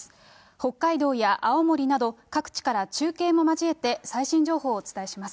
北海道や青森など、各地から中継も交えて最新情報をお伝えします。